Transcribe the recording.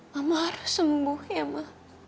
mama harus sembuh ya ma